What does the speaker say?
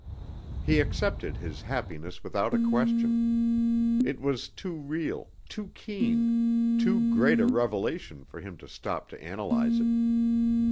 He accepted his happiness without a question. It was too real, too keen, too great a revelation for him to stop to analyze it.